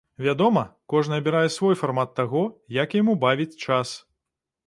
Вядома, кожны абірае свой фармат таго, як яму бавіць час.